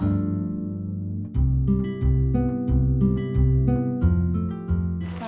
selamat siang roro